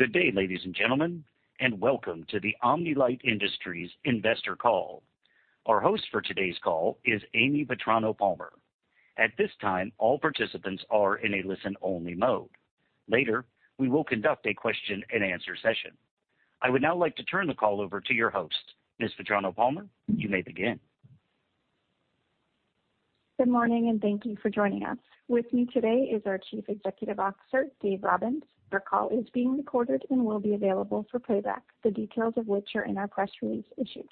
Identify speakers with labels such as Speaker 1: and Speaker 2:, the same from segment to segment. Speaker 1: Good day, ladies and gentlemen, and welcome to the Omni-Lite Industries investor call. Our host for today's call is Amy Vetrano-Palmer. At this time, all participants are in a listen-only mode. Later, we will conduct a question-and-answer session. I would now like to turn the call over to your host. Ms. Vetrano-Palmer, you may begin.
Speaker 2: Good morning, and thank you for joining us. With me today is our Chief Executive Officer, Dave Robbins. Our call is being recorded and will be available for playback, the details of which are in our press release issued.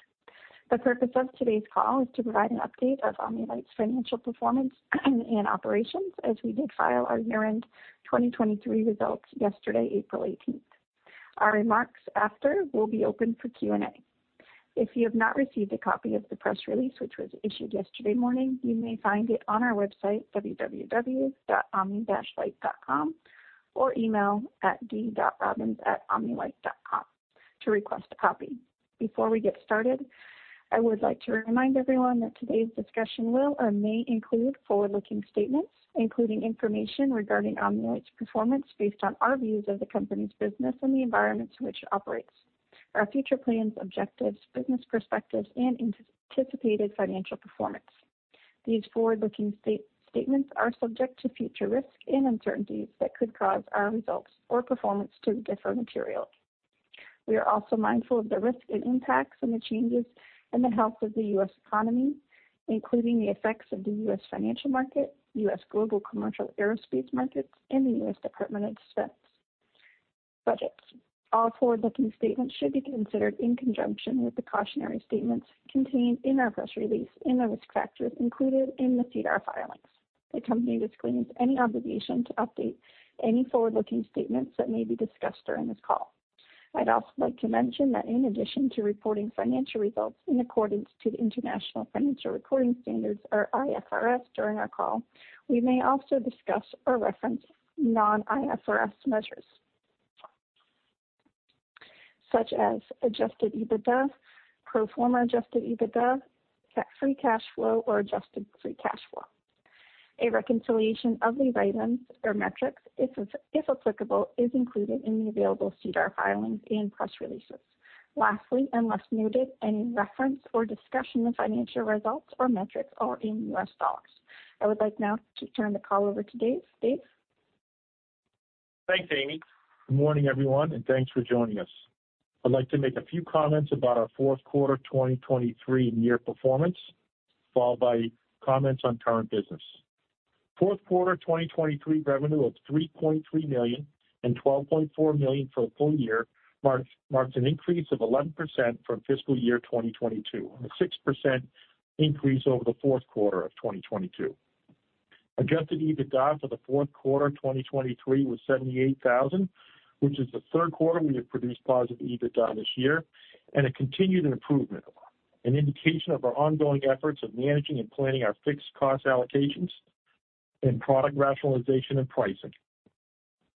Speaker 2: The purpose of today's call is to provide an update of Omni-Lite's financial performance and operations as we did file our year-end 2023 results yesterday, April 18th. Our remarks after will be open for Q&A. If you have not received a copy of the press release which was issued yesterday morning, you may find it on our website, www.omni-lite.com, or email at d.robbins@omni-lite.com to request a copy. Before we get started, I would like to remind everyone that today's discussion will or may include forward-looking statements, including information regarding Omni-Lite's performance based on our views of the company's business and the environments in which it operates, our future plans, objectives, business perspectives, and anticipated financial performance. These forward-looking statements are subject to future risk and uncertainties that could cause our results or performance to differ materially. We are also mindful of the risk and impacts and the changes in the health of the U.S. economy, including the effects of the U.S. financial market, U.S. global commercial aerospace markets, and the U.S. Department of Defense budgets. All forward-looking statements should be considered in conjunction with the cautionary statements contained in our press release and the risk factors included in the SEDAR filings. The company disclaims any obligation to update any forward-looking statements that may be discussed during this call. I'd also like to mention that in addition to reporting financial results in accordance with the International Financial Reporting Standards, or IFRS, during our call, we may also discuss or reference non-IFRS measures, such as Adjusted EBITDA, pro forma Adjusted EBITDA, free cash flow, or Adjusted Free Cash Flow. A reconciliation of the write-ins, or metrics, if applicable, is included in the available SEDAR filings and press releases. Lastly, unless noted, any reference or discussion of financial results or metrics are in U.S. dollars. I would like now to turn the call over to Dave. Dave?
Speaker 3: Thanks, Amy. Good morning, everyone, and thanks for joining us. I'd like to make a few comments about our fourth quarter 2023 year performance, followed by comments on current business. Fourth quarter 2023 revenue of $3.3 million and $12.4 million for the full year marks an increase of 11% from fiscal year 2022, a 6% increase over the fourth quarter of 2022. Adjusted EBITDA for the fourth quarter 2023 was $78,000, which is the third quarter we have produced positive EBITDA this year, and a continued improvement, an indication of our ongoing efforts of managing and planning our fixed cost allocations and product rationalization and pricing.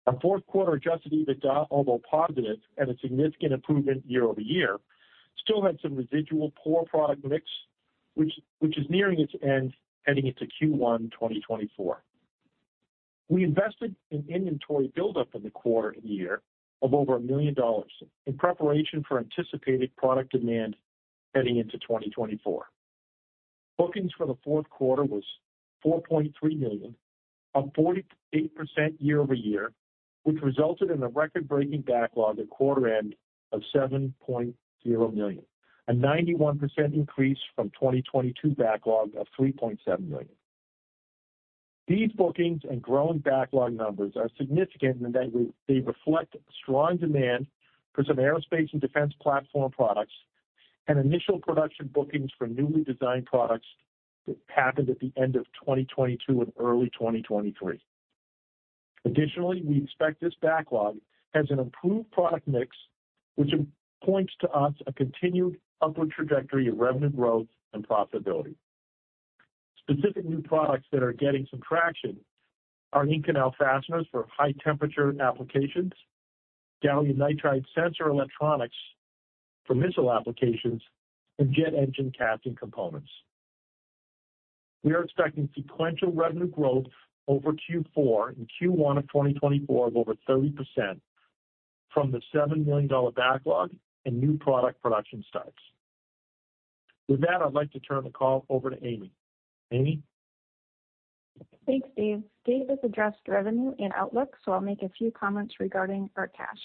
Speaker 3: Our fourth quarter adjusted EBITDA, although positive and a significant improvement year-over-year, still had some residual poor product mix, which is nearing its end heading into Q1 2024. We invested in inventory buildup in the quarter of the year of over $1 million in preparation for anticipated product demand heading into 2024. Bookings for the fourth quarter was $4.3 million, a 48% year-over-year, which resulted in a record-breaking backlog at quarter end of $7.0 million, a 91% increase from 2022 backlog of $3.7 million. These bookings and growing backlog numbers are significant in that they reflect strong demand for some aerospace and defense platform products, and initial production bookings for newly designed products happened at the end of 2022 and early 2023. Additionally, we expect this backlog has an improved product mix, which points to us a continued upward trajectory of revenue growth and profitability. Specific new products that are getting some traction are Inconel fasteners for high-temperature applications, Gallium Nitride sensor electronics for missile applications, and jet engine casting components. We are expecting sequential revenue growth over Q4 and Q1 of 2024 of over 30% from the $7 million backlog and new product production starts. With that, I'd like to turn the call over to Amy. Amy?
Speaker 2: Thanks, Dave. Dave has addressed revenue and outlook, so I'll make a few comments regarding our cash.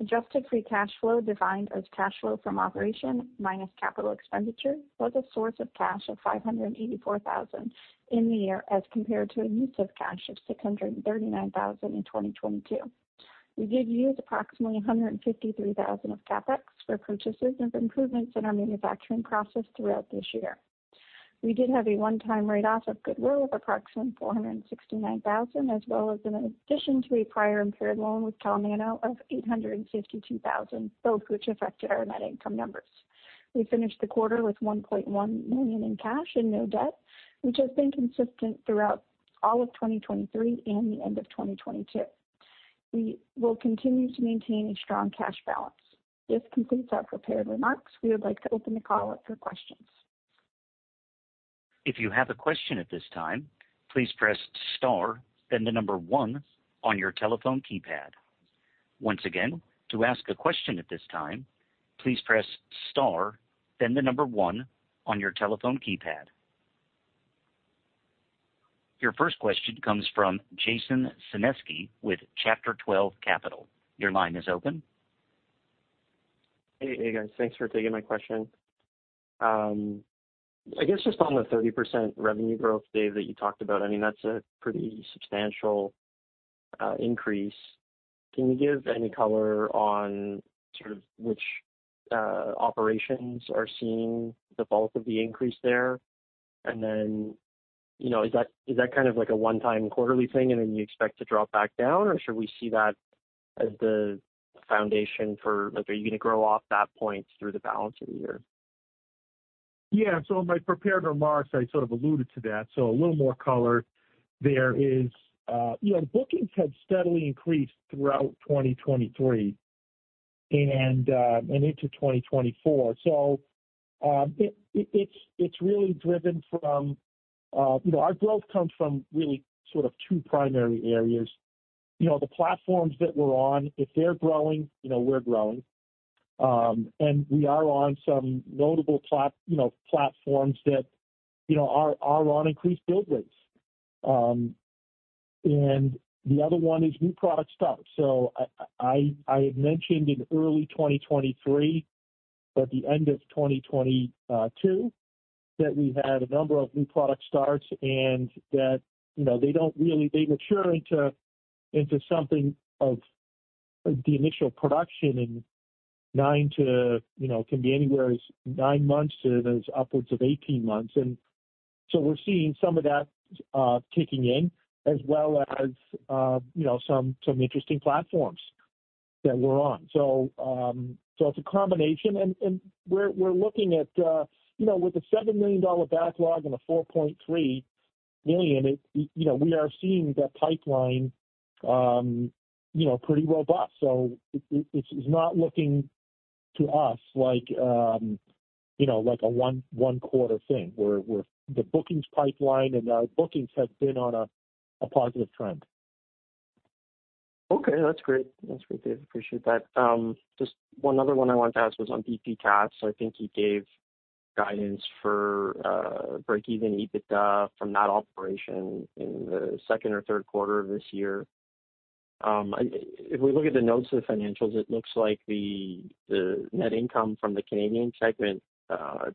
Speaker 2: Adjusted free cash flow, defined as cash flow from operations minus capital expenditure, was a source of cash of $584,000 in the year as compared to a negative cash of $639,000 in 2022. We did use approximately $153,000 of CapEx for purchases and improvements in our manufacturing process throughout this year. We did have a one-time write-off of goodwill of approximately $469,000, as well as an addition to a prior impaired loan with Cal Nano of $852,000, both which affected our net income numbers. We finished the quarter with $1.1 million in cash and no debt, which has been consistent throughout all of 2023 and the end of 2022. We will continue to maintain a strong cash balance. This completes our prepared remarks. We would like to open the call up for questions.
Speaker 1: If you have a question at this time, please press star, then the number one on your telephone keypad. Once again, to ask a question at this time, please press star, then the number one on your telephone keypad. Your first question comes from Jason Senensky with Chapter Twelve Capital. Your line is open.
Speaker 4: Hey, hey, guys. Thanks for taking my question. I guess just on the 30% revenue growth, Dave, that you talked about, I mean, that's a pretty substantial increase. Can you give any color on sort of which operations are seeing the fallout of the increase there? And then is that kind of like a one-time quarterly thing, and then you expect to drop back down, or should we see that as the foundation for are you going to grow off that point through the balance of the year?
Speaker 3: Yeah. So in my prepared remarks, I sort of alluded to that. So a little more color there is. The bookings had steadily increased throughout 2023 and into 2024. So it's really driven from our growth comes from really sort of two primary areas. The platforms that we're on, if they're growing, we're growing. And we are on some notable platforms that are on increased build rates. And the other one is new product starts. So I had mentioned in early 2023, at the end of 2022, that we had a number of new product starts and that they don't really mature into something of the initial production in nine to it can be anywhere as nine months to as upwards of 18 months. And so we're seeing some of that kicking in as well as some interesting platforms that we're on. So it's a combination. We're looking at with a $7 million backlog and a $4.3 million, we are seeing that pipeline pretty robust. So it's not looking to us like a one-quarter thing. The bookings pipeline and our bookings have been on a positive trend.
Speaker 4: Okay. That's great. That's great, Dave. Appreciate that. Just one other one I wanted to ask was on DP Cast. I think he gave guidance for break-even EBITDA from that operation in the second or third quarter of this year. If we look at the notes of the financials, it looks like the net income from the Canadian segment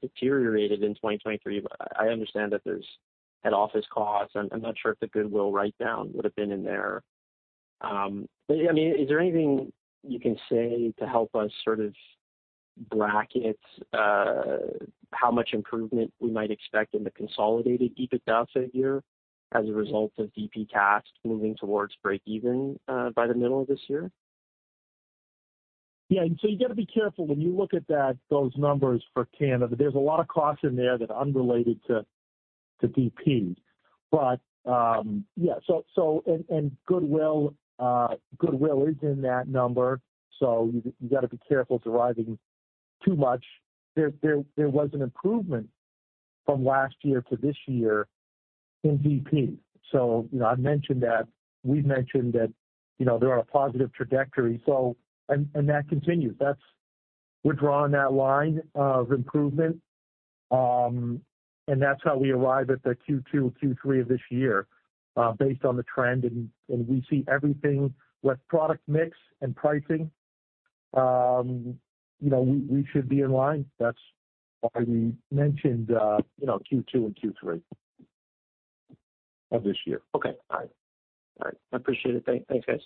Speaker 4: deteriorated in 2023. I understand that there's head office costs. I'm not sure if the goodwill write-down would have been in there. But I mean, is there anything you can say to help us sort of bracket how much improvement we might expect in the consolidated EBITDA figure as a result of DP Cast moving towards break-even by the middle of this year?
Speaker 3: Yeah. So you got to be careful when you look at those numbers for Canada. There's a lot of costs in there that are unrelated to DP. But yeah. And Goodwill is in that number, so you got to be careful deriving too much. There was an improvement from last year to this year in DP. So I mentioned that we've mentioned that they're on a positive trajectory, and that continues. We're drawing that line of improvement, and that's how we arrive at the Q2, Q3 of this year based on the trend. And we see everything with product mix and pricing. We should be in line. That's why we mentioned Q2 and Q3 of this year.
Speaker 4: Okay. All right. All right. I appreciate it. Thanks, guys.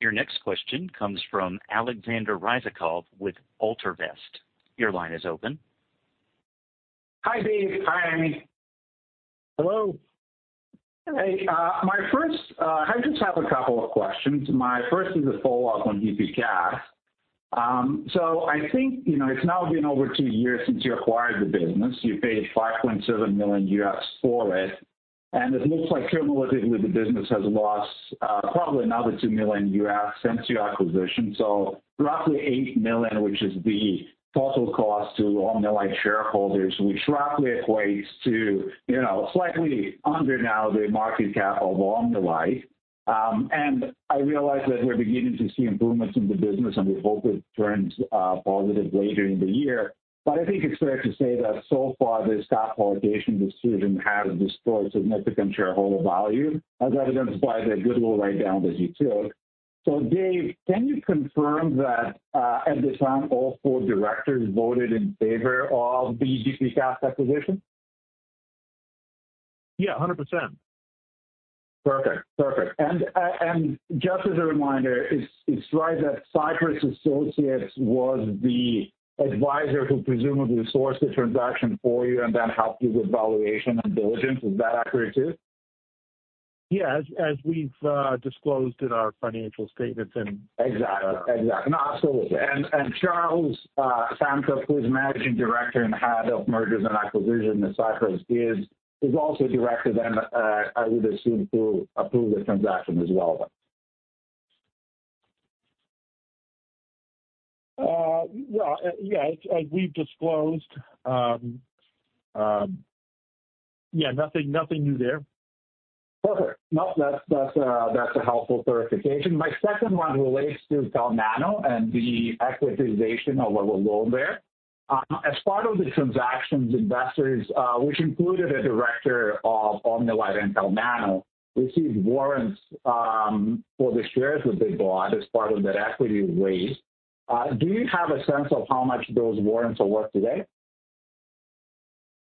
Speaker 1: Your next question comes from Alexandre Ryzhikov with Altervest. Your line is open.
Speaker 5: Hi, Dave. Hi, Amy.
Speaker 3: Hello.
Speaker 5: Hey. I just have a couple of questions. My first is a follow-up on DP Cast. So I think it's now been over two years since you acquired the business. You paid $5.7 million for it, and it looks like cumulatively, the business has lost probably another $2 million since your acquisition, so roughly $8 million, which is the total cost to Omni-Lite shareholders, which roughly equates to slightly under now the market cap of Omni-Lite. And I realize that we're beginning to see improvements in the business, and we hope it turns positive later in the year. But I think it's fair to say that so far, this stock allocation decision has destroyed significant shareholder value, as evidenced by the goodwill write-down that you took. So Dave, can you confirm that at the time, all four directors voted in favor of the DP Cast acquisition?
Speaker 3: Yeah, 100%.
Speaker 5: Perfect. Perfect. Just as a reminder, it's right that Cypress Associates was the advisor who presumably sourced the transaction for you and then helped you with valuation and diligence. Is that accurate too?
Speaker 3: Yeah, as we've disclosed in our financial statements and.
Speaker 5: Exactly. Exactly. No, absolutely. And Charles Samkoff, who is managing director and head of mergers and acquisitions at Cypress, is also director then, I would assume, who approved the transaction as well then.
Speaker 3: Well, yeah, as we've disclosed, yeah, nothing new there.
Speaker 5: Perfect. Nope, that's a helpful clarification. My second one relates to Cal Nano and the equitization of our loan there. As part of the transactions, investors, which included a director of Omni-Lite and Cal Nano, received warrants for the shares that they bought as part of that equity raise. Do you have a sense of how much those warrants are worth today?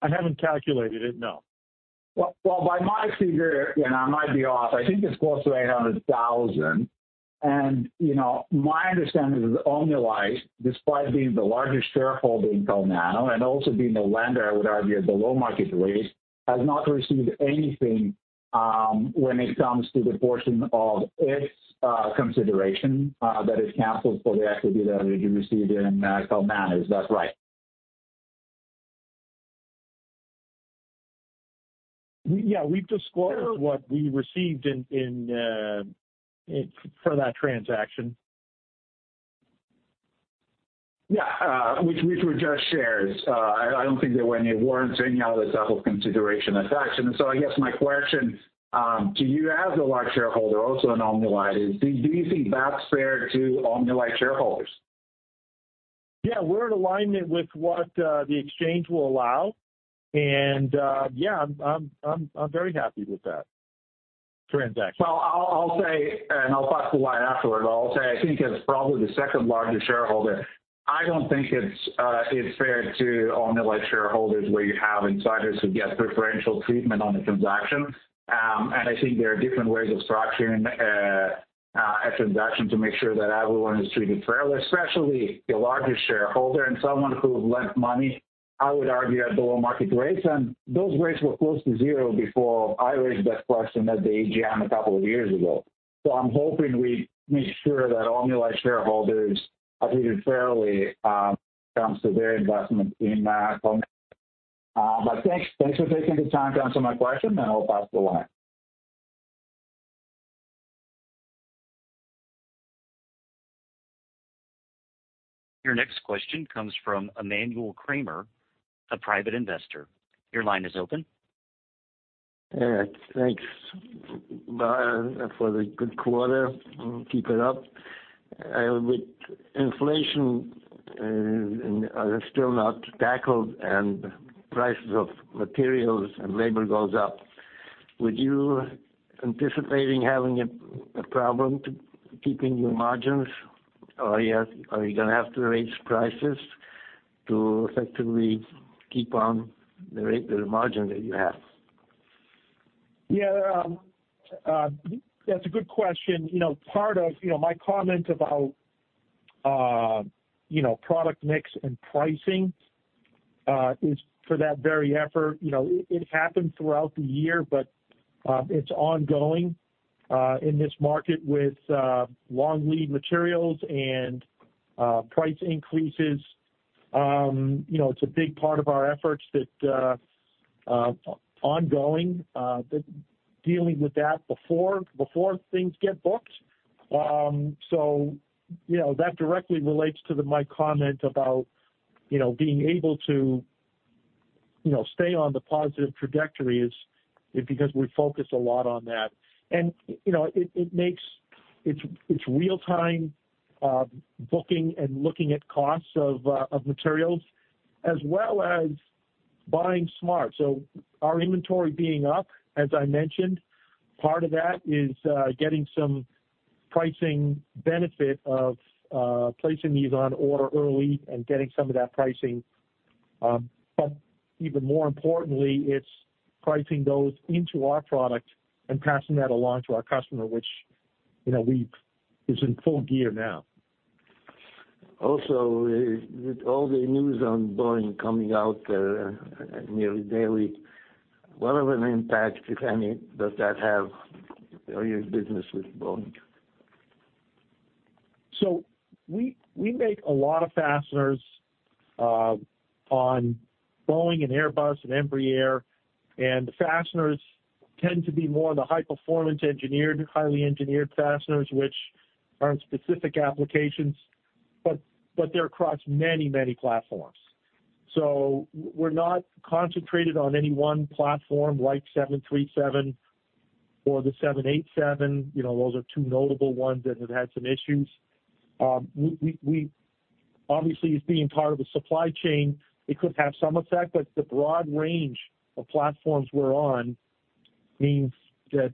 Speaker 3: I haven't calculated it, no.
Speaker 5: Well, by my figure, and I might be off, I think it's close to $800,000. And my understanding is that Omni-Lite, despite being the largest shareholder in Cal Nano and also being a lender, I would argue, at the low market rate, has not received anything when it comes to the portion of its consideration that is canceled for the equity that it received in Cal Nano. Is that right?
Speaker 3: Yeah, we've disclosed what we received for that transaction.
Speaker 5: Yeah, which were just shares. I don't think there were any warrants or any other type of consideration attached. And so I guess my question to you as the large shareholder, also in Omni Lite, is do you think that's fair to Omni Lite shareholders?
Speaker 3: Yeah, we're in alignment with what the exchange will allow. Yeah, I'm very happy with that transaction.
Speaker 5: Well, I'll say and I'll pass the line afterward, but I'll say I think as probably the second largest shareholder, I don't think it's fair to Omni-Lite shareholders where you have insiders who get preferential treatment on a transaction. And I think there are different ways of structuring a transaction to make sure that everyone is treated fairly, especially the largest shareholder and someone who lent money, I would argue, at the low market rates. And those rates were close to zero before I raised that question at the AGM a couple of years ago. So I'm hoping we make sure that Omni-Lite shareholders are treated fairly when it comes to their investment in Cal Nano. But thanks for taking the time to answer my question, and I'll pass the line.
Speaker 1: Your next question comes from Emanuel Kramer, a private investor. Your line is open.
Speaker 6: Thanks for the good quarter. Keep it up. With inflation still not tackled and prices of materials and labor goes up, would you anticipate having a problem keeping your margins, or are you going to have to raise prices to effectively keep on the margin that you have?
Speaker 3: Yeah, that's a good question. Part of my comment about product mix and pricing is for that very effort. It happened throughout the year, but it's ongoing in this market with long lead materials and price increases. It's a big part of our efforts that ongoing dealing with that before things get booked. So that directly relates to my comment about being able to stay on the positive trajectory is because we focus a lot on that. And it's real-time booking and looking at costs of materials as well as buying smart. So our inventory being up, as I mentioned, part of that is getting some pricing benefit of placing these on order early and getting some of that pricing. But even more importantly, it's pricing those into our product and passing that along to our customer, which is in full gear now.
Speaker 6: Also, with all the news on Boeing coming out nearly daily, what of an impact, if any, does that have on your business with Boeing?
Speaker 3: We make a lot of fasteners on Boeing and Airbus and Embraer. The fasteners tend to be more the high-performance, highly engineered fasteners, which are in specific applications, but they're across many, many platforms. We're not concentrated on any one platform like 737 or the 787. Those are two notable ones that have had some issues. Obviously, as being part of a supply chain, it could have some effect, but the broad range of platforms we're on means that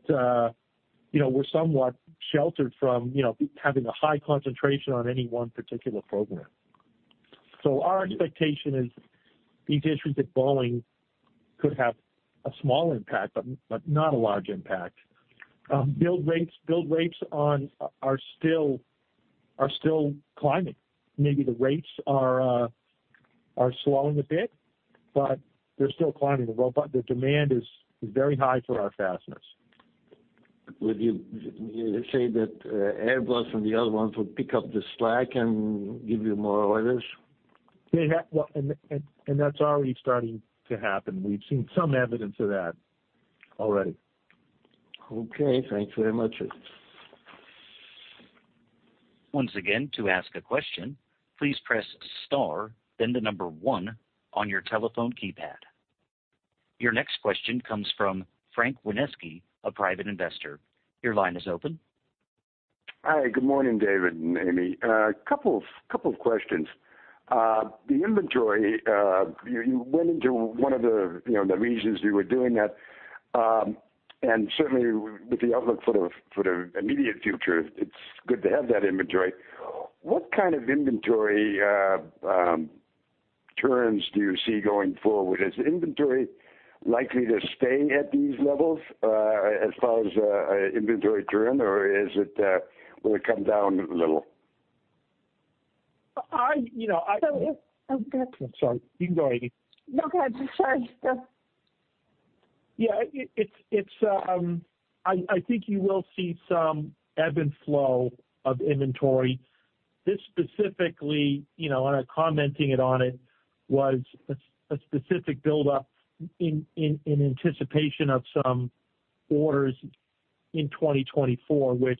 Speaker 3: we're somewhat sheltered from having a high concentration on any one particular program. Our expectation is these issues at Boeing could have a small impact but not a large impact. Build rates are still climbing. Maybe the rates are slowing a bit, but they're still climbing. The demand is very high for our fasteners.
Speaker 6: Would you say that Airbus and the other ones would pick up the slack and give you more orders?
Speaker 3: That's already starting to happen. We've seen some evidence of that already.
Speaker 6: Okay. Thanks very much.
Speaker 1: Once again, to ask a question, please press star, then the number 1 on your telephone keypad. Your next question comes from Frank Wisneski, a private investor. Your line is open.
Speaker 7: Hi. Good morning, David and Amy. A couple of questions. The inventory, you went into one of the reasons we were doing that. Certainly, with the outlook for the immediate future, it's good to have that inventory. What kind of inventory turns do you see going forward? Is inventory likely to stay at these levels as far as inventory turn, or will it come down a little?
Speaker 3: I. So if. I'm sorry. You can go, Amy.
Speaker 2: No, go ahead. Sorry.
Speaker 3: Yeah. I think you will see some ebb and flow of inventory. This specifically, and I'm commenting on it, was a specific buildup in anticipation of some orders in 2024, which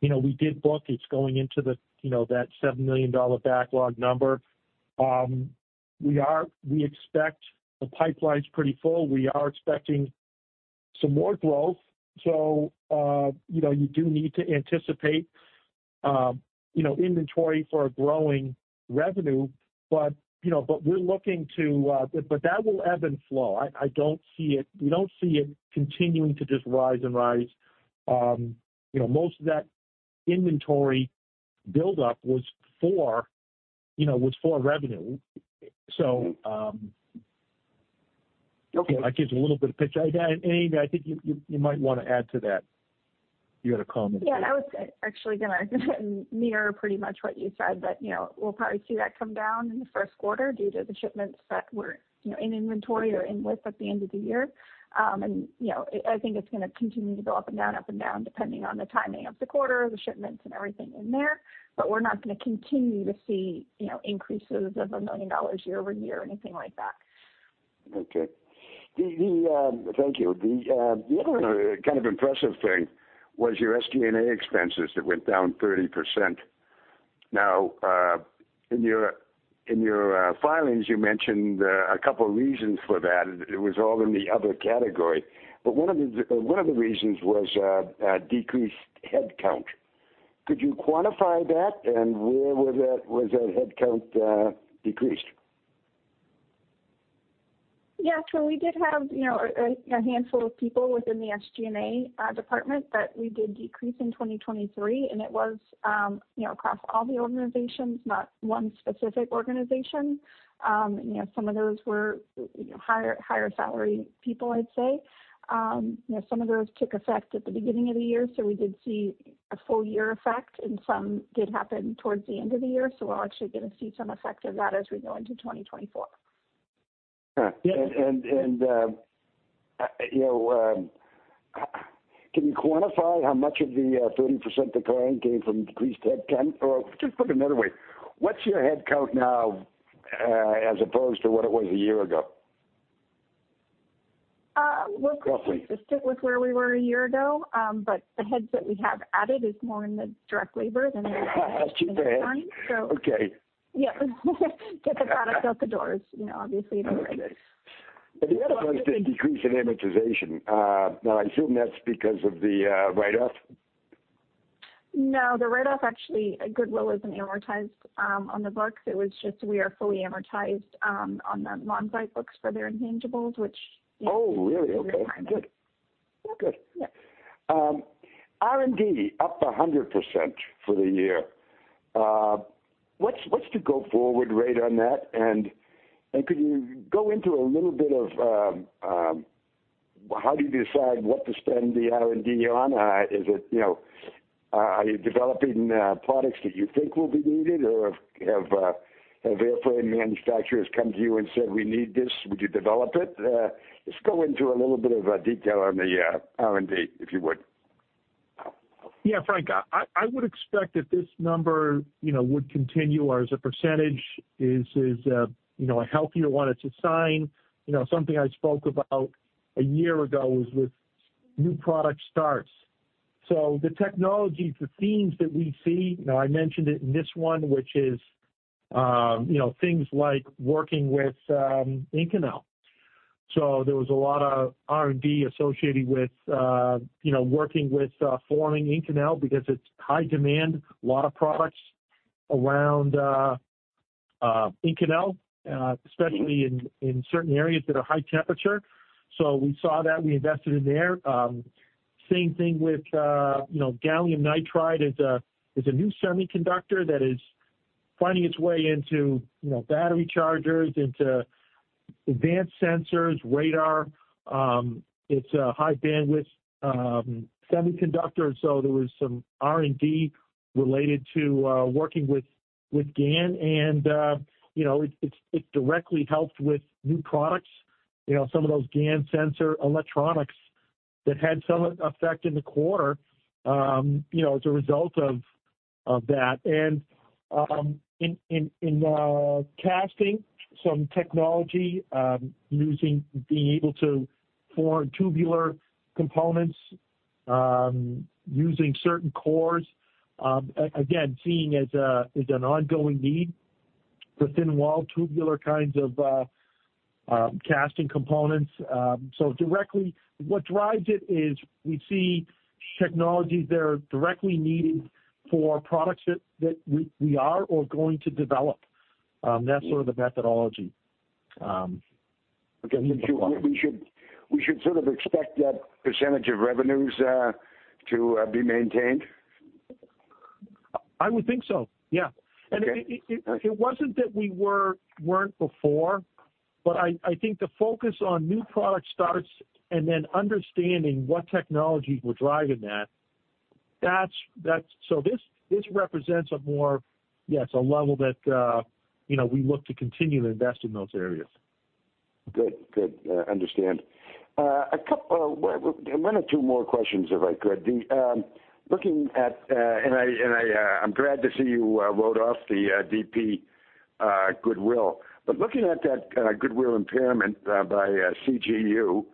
Speaker 3: we did book. It's going into that $7 million backlog number. We expect the pipeline's pretty full. We are expecting some more growth. So you do need to anticipate inventory for a growing revenue. But we're looking to, but that will ebb and flow. I don't see it. We don't see it continuing to just rise and rise. Most of that inventory buildup was for revenue, so that gives a little bit of picture. And Amy, I think you might want to add to that. You had a comment.
Speaker 2: Yeah. I was actually going to mirror pretty much what you said, that we'll probably see that come down in the first quarter due to the shipments that were in inventory or in with at the end of the year. I think it's going to continue to go up and down, up and down, depending on the timing of the quarter, the shipments, and everything in there. But we're not going to continue to see increases of $1 million year-over-year or anything like that.
Speaker 7: Okay. Thank you. The other kind of impressive thing was your SG&A expenses that went down 30%. Now, in your filings, you mentioned a couple of reasons for that. It was all in the other category. But one of the reasons was decreased headcount. Could you quantify that, and where was that headcount decreased?
Speaker 2: Yes. So we did have a handful of people within the SG&A department that we did decrease in 2023, and it was across all the organizations, not one specific organization. Some of those were higher-salary people, I'd say. Some of those took effect at the beginning of the year, so we did see a full-year effect, and some did happen towards the end of the year. So we'll actually get to see some effect of that as we go into 2024.
Speaker 7: Yeah. And can you quantify how much of the 30% decline came from decreased headcount? Or just put it another way, what's your headcount now as opposed to what it was a year ago?
Speaker 2: We're pretty consistent with where we were a year ago, but the heads that we have added is more in the direct labor than in the current, so.
Speaker 7: That's too bad. Okay.
Speaker 2: Yep. Get the product out the doors. Obviously, it increases.
Speaker 7: But the other part is the decrease in amortization. Now, I assume that's because of the write-off?
Speaker 2: No. The write-off, actually, Goodwill isn't amortized on the books. It was just we are fully amortized on the Monzite books for their intangibles, which is a real climate change.
Speaker 7: Oh, really? Okay. Good. Good.
Speaker 2: Yeah.
Speaker 7: R&D up 100% for the year. What's the go-forward rate on that? And could you go into a little bit of how do you decide what to spend the R&D on? Are you developing products that you think will be needed, or have airframe manufacturers come to you and said, "We need this. Would you develop it?" Just go into a little bit of detail on the R&D, if you would.
Speaker 3: Yeah, Frank. I would expect that this number would continue or as a percentage is a healthier one to sign. Something I spoke about a year ago was with new product starts. So the technologies, the themes that we see I mentioned it in this one, which is things like working with Inconel. So there was a lot of R&D associated with working with forming Inconel because it's high demand, a lot of products around Inconel, especially in certain areas that are high temperature. So we saw that. We invested in there. Same thing with gallium nitride is a new semiconductor that is finding its way into battery chargers, into advanced sensors, radar. It's a high-bandwidth semiconductor, so there was some R&D related to working with GaN. And it's directly helped with new products, some of those GaN sensor electronics that had some effect in the quarter as a result of that. And in casting, some technology being able to form tubular components using certain cores, again, seen as an ongoing need for thin-wall tubular kinds of casting components. So directly, what drives it is we see technologies that are directly needed for products that we are or going to develop. That's sort of the methodology.
Speaker 7: Okay. So we should sort of expect that percentage of revenues to be maintained?
Speaker 3: I would think so. Yeah. And it wasn't that we weren't before, but I think the focus on new product starts and then understanding what technologies were driving that. That's so this represents a more, yes, a level that we look to continue to invest in those areas.
Speaker 7: Good. Good. Understand. One or two more questions, if I could. Looking at, and I'm glad to see you wrote off the DP Goodwill. But looking at that Goodwill impairment by CGU,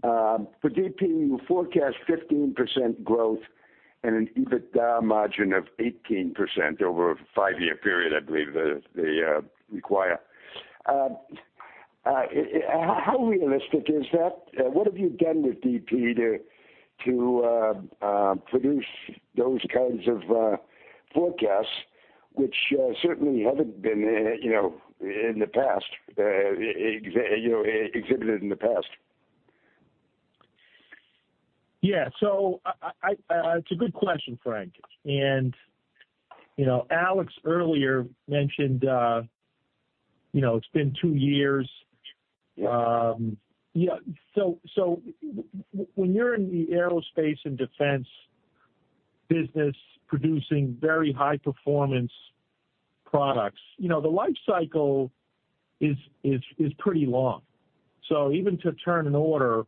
Speaker 7: for DP, you forecast 15% growth and an EBITDA margin of 18% over a five-year period, I believe, that they require. How realistic is that? What have you done with DP to produce those kinds of forecasts, which certainly haven't been exhibited in the past?
Speaker 3: Yeah. So it's a good question, Frank. And Alex earlier mentioned it's been two years. Yeah. So when you're in the aerospace and defense business producing very high-performance products, the lifecycle is pretty long. So even to turn an order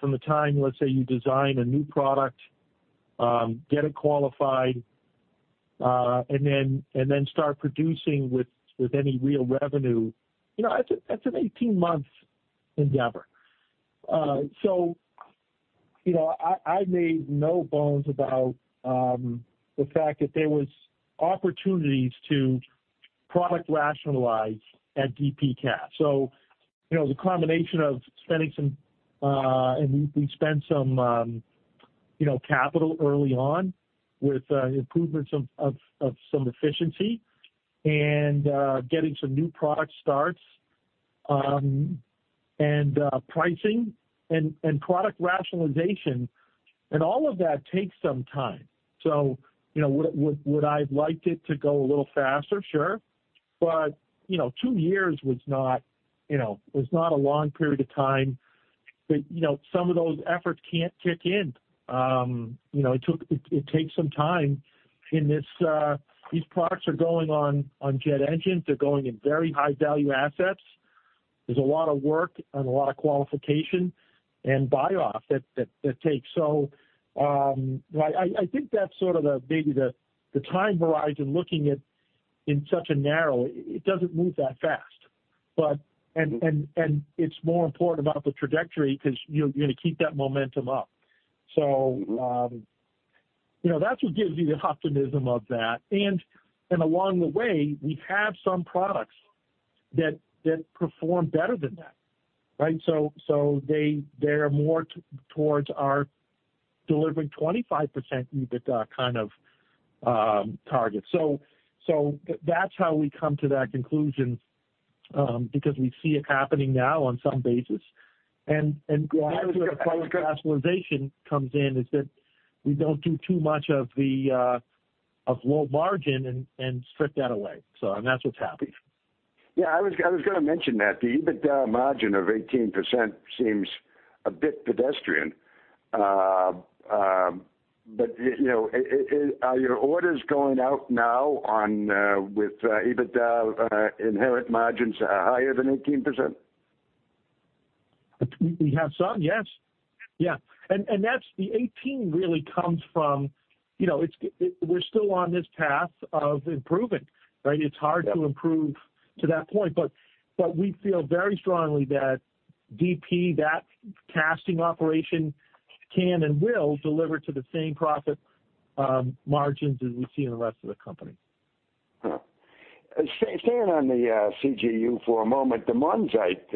Speaker 3: from the time, let's say, you design a new product, get it qualified, and then start producing with any real revenue, that's an 18-month endeavor. So I made no bones about the fact that there was opportunities to product rationalize at DP Cast. So it was a combination of spending some and we spent some capital early on with improvements of some efficiency and getting some new product starts and pricing and product rationalization. And all of that takes some time. So would I have liked it to go a little faster? Sure. But two years was not a long period of time. But some of those efforts can't kick in. It takes some time. These products are going on jet engines. They're going in very high-value assets. There's a lot of work and a lot of qualification and buy-off that takes. So I think that's sort of maybe the time horizon looking at in such a narrow it doesn't move that fast. And it's more important about the trajectory because you're going to keep that momentum up. So that's what gives you the optimism of that. And along the way, we have some products that perform better than that, right? So they are more towards our delivering 25% EBITDA kind of target. So that's how we come to that conclusion because we see it happening now on some basis. And where the product rationalization comes in is that we don't do too much of low margin and strip that away. That's what's happened.
Speaker 7: Yeah. I was going to mention that. The EBITDA margin of 18% seems a bit pedestrian. But are your orders going out now with EBITDA inherent margins higher than 18%?
Speaker 3: We have some. Yes. Yeah. And the 18 really comes from, we're still on this path of improving, right? It's hard to improve to that point. But we feel very strongly that DP, that casting operation, can and will deliver to the same profit margins as we see in the rest of the company.
Speaker 7: Staying on the CGU for a moment, the Monzite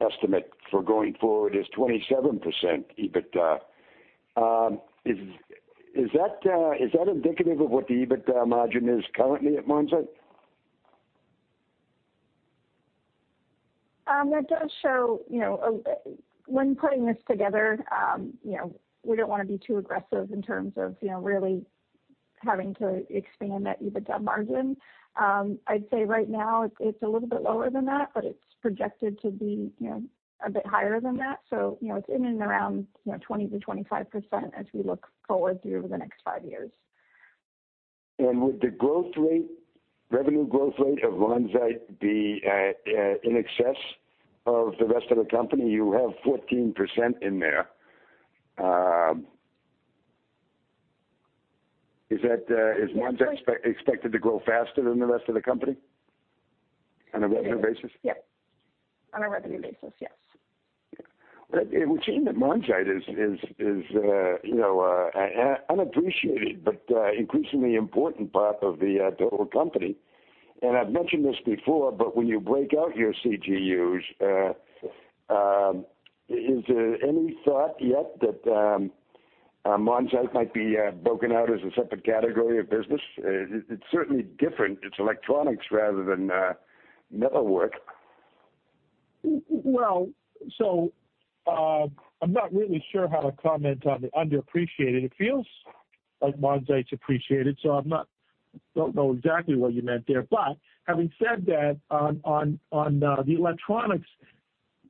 Speaker 7: estimate for going forward is 27% EBITDA. Is that indicative of what the EBITDA margin is currently at Monzite?
Speaker 2: It does show when putting this together, we don't want to be too aggressive in terms of really having to expand that EBITDA margin. I'd say right now, it's a little bit lower than that, but it's projected to be a bit higher than that. So it's in and around 20%-25% as we look forward through the next five years.
Speaker 7: Would the revenue growth rate of Monzite be in excess of the rest of the company? You have 14% in there. Is Monzite expected to grow faster than the rest of the company on a revenue basis?
Speaker 2: Yes. Yep. On a revenue basis. Yes.
Speaker 7: Yeah. Well, it would seem that Monzite is an unappreciated but increasingly important part of the total company. And I've mentioned this before, but when you break out your CGUs, is there any thought yet that Monzite might be broken out as a separate category of business? It's certainly different. It's electronics rather than metalwork.
Speaker 3: Well, so I'm not really sure how to comment on the underappreciated. It feels like Monzite's appreciated, so I don't know exactly what you meant there. But having said that, on the electronics,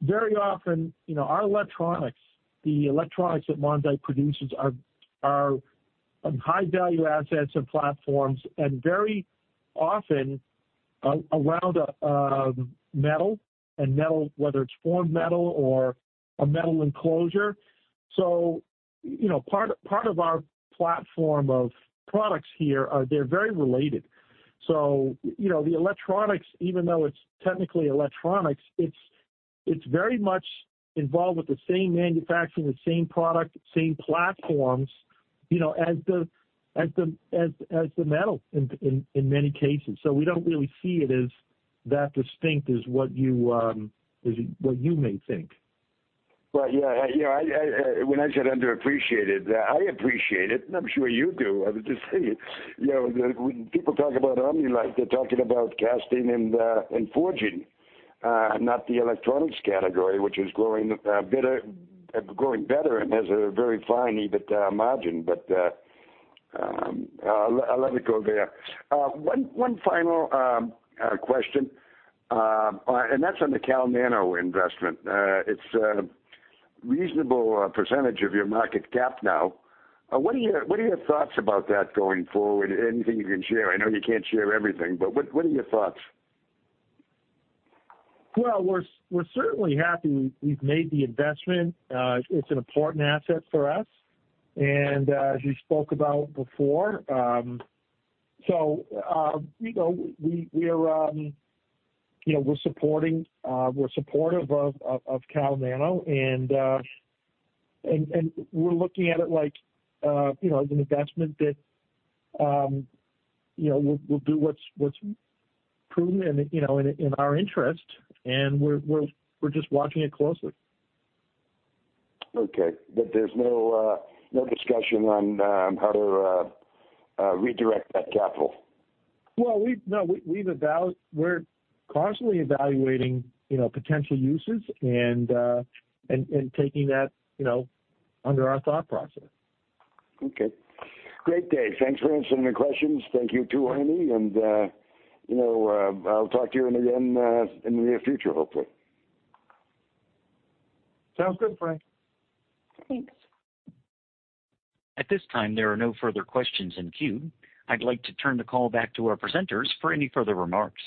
Speaker 3: very often, our electronics, the electronics that Monzite produces, are high-value assets and platforms and very often around metal and metal, whether it's formed metal or a metal enclosure. So part of our platform of products here, they're very related. So the electronics, even though it's technically electronics, it's very much involved with the same manufacturing, the same product, same platforms as the metal in many cases. So we don't really see it as that distinct as what you may think.
Speaker 7: Right. Yeah. When I said underappreciated, I appreciate it, and I'm sure you do. I would just say when people talk about Omni-Lite, they're talking about casting and forging, not the electronics category, which is growing better and has a very fine EBITDA margin. But I'll let it go there. One final question, and that's on the Cal Nano investment. It's a reasonable percentage of your market cap now. What are your thoughts about that going forward? Anything you can share? I know you can't share everything, but what are your thoughts?
Speaker 3: Well, we're certainly happy. We've made the investment. It's an important asset for us. And as we spoke about before, so we're supportive of Cal Nano, and we're looking at it as an investment that will do what's prudent and in our interest, and we're just watching it closely.
Speaker 7: Okay. But there's no discussion on how to redirect that capital?
Speaker 3: Well, no. We're constantly evaluating potential uses and taking that under our thought process.
Speaker 7: Okay. Great day. Thanks for answering the questions. Thank you too, Amy. I'll talk to you again in the near future, hopefully.
Speaker 3: Sounds good, Frank.
Speaker 2: Thanks.
Speaker 1: At this time, there are no further questions in queue. I'd like to turn the call back to our presenters for any further remarks.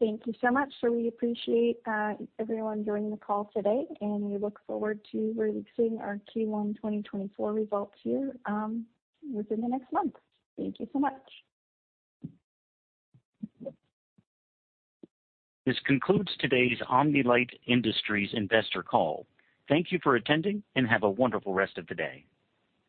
Speaker 2: Thank you so much. We appreciate everyone joining the call today, and we look forward to releasing our Q1 2024 results here within the next month. Thank you so much.
Speaker 1: This concludes today's Omni-Lite Industries investor call. Thank you for attending, and have a wonderful rest of the day.